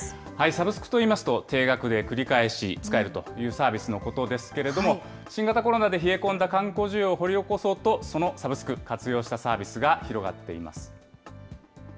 サブスクといいますと、定額で繰り返し使えるというサービスのことですけれども、新型コロナで冷え込んだ観光需要を掘り起こそうと、そのサブスク、活用したサービスが広がっています。